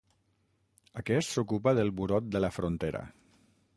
Aquest s'ocupa del burot de la frontera.